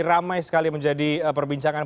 ramai sekali menjadi perbincangan